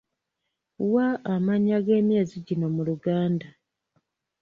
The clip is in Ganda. Wa amannya g'emyezi gino mu Luganda.